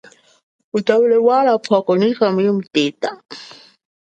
Mutambule mwana pwoko, nyikha muyimuteta.